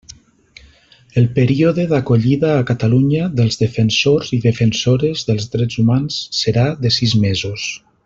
El període d'acollida a Catalunya dels Defensors i Defensores dels Drets Humans serà de sis mesos.